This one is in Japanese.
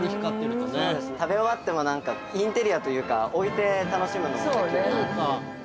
◆食べ終わってもインテリアというか置いて楽しむのもできるなって。